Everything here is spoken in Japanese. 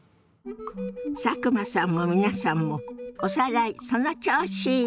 佐久間さんも皆さんもおさらいその調子！